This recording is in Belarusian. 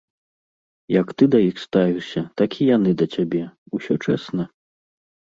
Як ты да іх ставішся, так і яны да цябе, усё чэсна.